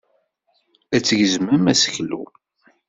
Ad tgezmem aseklu.